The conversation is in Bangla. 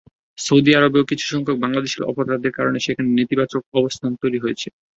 সৌদি আরবেও কিছুসংখ্যক বাংলাদেশির অপরাধের কারণে সেখানে নেতিবাচক অবস্থান তৈরি হয়েছে।